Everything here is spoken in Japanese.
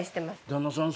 旦那さん